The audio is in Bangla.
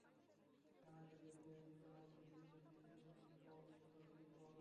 জানা গেছে, দু-এক দিনের মধ্যেই বিভিন্ন টিভি চ্যানেলে বিজ্ঞাপনচিত্রটির প্রচার শুরু হবে।